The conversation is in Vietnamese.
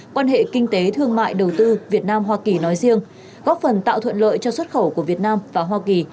quan hệ kinh tế thương mại đầu tư việt nam hoa kỳ nói riêng góp phần tạo thuận lợi cho xuất khẩu của việt nam và hoa kỳ